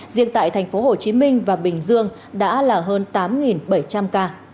riêng tại thành phố hồ chí minh và bình dương đã là hơn tám bảy trăm linh ca